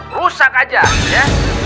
rusak aja ya